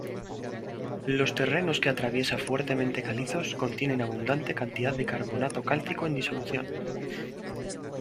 Los terrenos que atraviesa, fuertemente calizos, contienen abundante cantidad de carbonato cálcico en disolución.